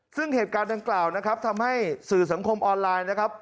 ซึ่งเหตุการณ์ดังกล่าวนะครับทำให้สื่อสังคมออนไลน์นะครับ